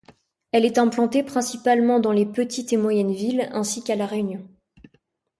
Elle est implantée principalement dans les petites et moyennes villes ainsi qu'à La Réunion.